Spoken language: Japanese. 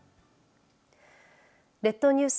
列島ニュース